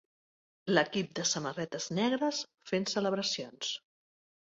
L'equip de samarretes negres fent celebracions